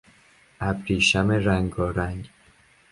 ابریشم رنگارنگ